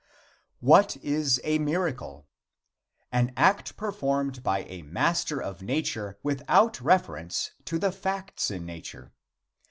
WHAT IS A MIRACLE? An act performed by a master of nature without reference to the facts in nature.